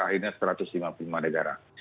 akhirnya satu ratus lima puluh lima negara